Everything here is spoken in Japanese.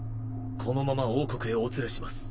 このまま王国へお連れします。